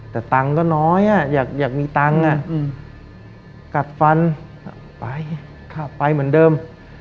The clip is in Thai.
แต่ตังค์ก็น้อยอยากมีตังค์กัดฟันไปไปเหมือนเดิม